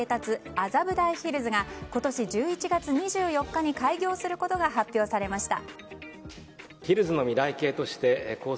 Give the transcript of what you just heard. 麻布台ヒルズが今年１１月２４日に開業することが発表されました。